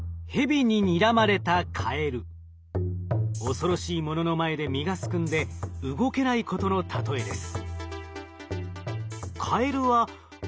恐ろしいものの前で身がすくんで動けないことの例えです。